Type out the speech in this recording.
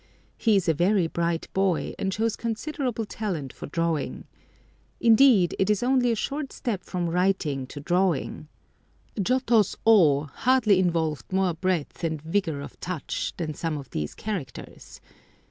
He is a very bright boy, and shows considerable talent for drawing. Indeed, it is only a short step from writing to drawing. Giotto's O hardly involved more breadth and vigour of touch than some of these characters.